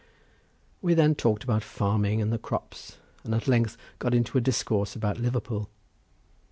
We then talked about farming and the crops, and at length got into a discourse about Liverpool.